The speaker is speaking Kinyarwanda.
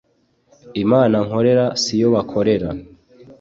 imana nkorera siyo bakorera